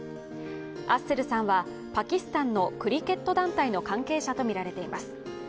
アッセルさんはパキスタンのクリケット団体の関係者とみられています。